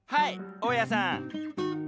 大家さん。